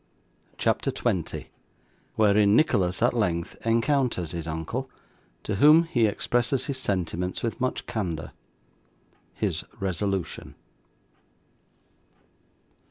CHAPTER 20 Wherein Nicholas at length encounters his Uncle, to whom he expresses his Sentiments with much Candour. His Resolution.